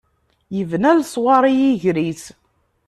Yebna leṣwaṛ i yiger-is.